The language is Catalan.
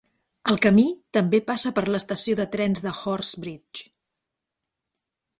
El camí també passa per l"estació de trens de Horsebridge.